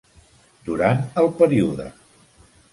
Durant el període.